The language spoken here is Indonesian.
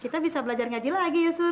kita bisa belajar ngaji lagi ya sur